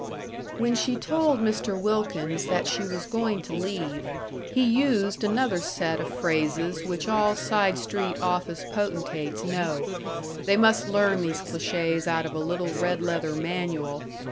When she told Mr. Wilkins that she was going to leave, he used another set of phrases which all side street office potentates know they must learn these clichés out of a little red leather manual....